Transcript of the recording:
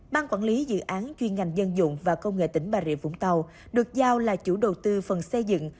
ban quản lý dự án chuyên ngành dân dụng và công nghệ tỉnh bà rịa vũng tàu được giao là chủ đầu tư phần xây dựng